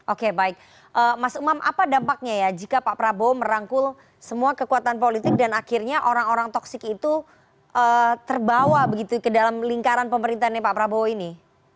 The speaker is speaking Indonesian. oke baik mas umam apa dampaknya ya jika pak prabowo merangkul semua kekuatan politik dan akhirnya orang orang toksik itu terbawa begitu ke dalam lingkaran pemerintahannya pak prabowo ini